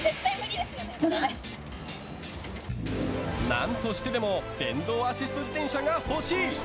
何としてでも電動アシスト自転車が欲しい！